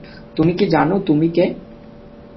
তুমি কি জানো তুমি কে?